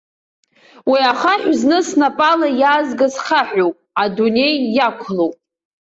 Уи ахаҳә зны снапала иаазгаз хаҳәуп, адунеи иақәлоуп.